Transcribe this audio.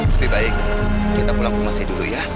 lebih baik kita pulang rumah saya dulu ya